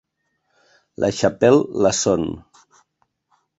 La Chapelle-Lasson